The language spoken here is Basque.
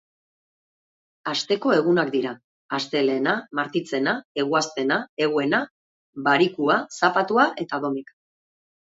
Asteko egunak dira: astelehena, martitzena, eguaztena, eguena, barikua, zapatua eta domeka.